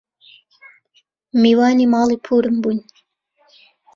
میوانی ماڵی پوورم بووین